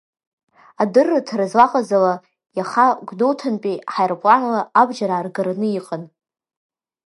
Адырраҭара злаҟаз ала, иаха Гәдоуҭантәи ҳаирпланла абџьар ааргараны иҟан.